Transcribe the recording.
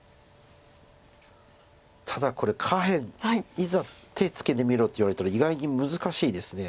ただこれ下辺いざ手つけてみろって言われたら意外に難しいです。